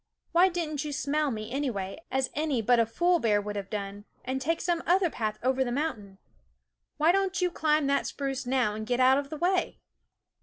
Why didn't you smell me, anyway, as any but a fool bear would have done, and take some other path over the mountain ? Why don't you climb that spruce now and get out of the way